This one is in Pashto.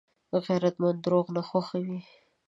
غیرتمند درواغ نه خوښوي